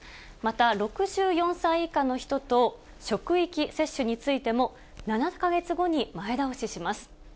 また、６４歳以下の人と職域接種についても、７か月後に前倒しします。